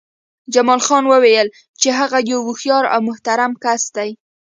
جمال خان وویل چې هغه یو هوښیار او محترم کس دی